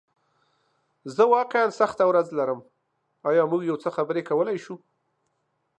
زه واقعیا سخته ورځ لرم، ایا موږ یو څه خبرې کولی شو؟